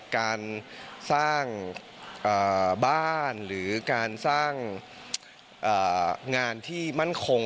การสร้างบ้านหรือการสร้างงานที่มั่นคง